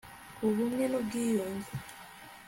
ubumwe n'ubwiyunge